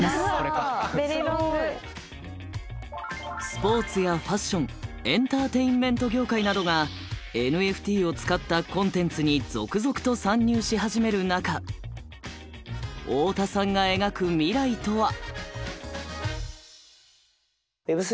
スポーツやファッションエンターテインメント業界などがＮＦＴを使ったコンテンツに続々と参入し始める中太田さんが描く未来とは？